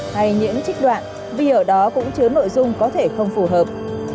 hay những trích đoạn vì ở đó cũng chứa nội dung có thể không phù hợp